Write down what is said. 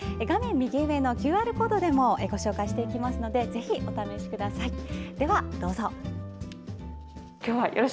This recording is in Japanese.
画面右上のＱＲコードでもご紹介していきますのでぜひお試しください。